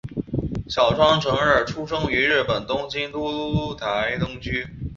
小川诚二出生于日本东京都台东区。